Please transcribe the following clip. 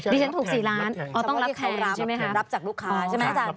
ไม่ใช่รับแทงรับแทงรับแทงรับแทงรับจากลูกค้าใช่ไหมอาจารย์